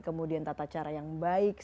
kemudian tata cara yang baik